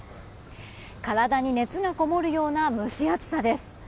体に熱がこもるような蒸し暑さです。